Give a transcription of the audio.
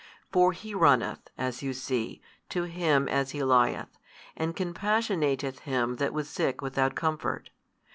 For He runneth, as you see, to him as he lieth, and compassionateth him that was sick without comfort.